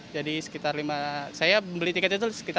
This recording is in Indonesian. jadi saya beli tiket itu sekitar lima ratus sepuluh